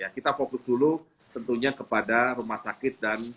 kita fokus dulu tentunya kepada rumah sakit dan